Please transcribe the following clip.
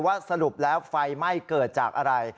สรุปแล้วไฟไหม้เกิดจากอะไร